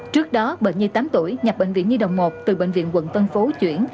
trước đó bệnh nhi tám tuổi nhập bệnh viện nhi đồng một từ bệnh viện quận tân phú chuyển